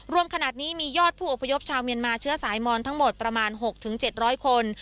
รวมขนาดนี้มียอดผู้อพยพชาวเมียนมาเชื้อสายมอนทั้งหมดประมาณ๖๗๐๐คน